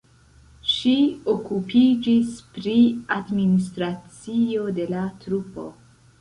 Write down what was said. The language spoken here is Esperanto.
Ŝi okupiĝis pri administracio de la trupo.